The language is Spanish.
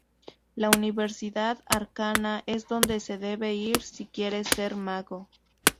La Universidad Arcana es donde se debe ir si quieres ser mago.